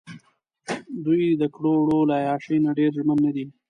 دوۍ دکړو وړو له عیاشۍ نه ډېر ژمن نه دي.